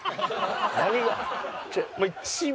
何が？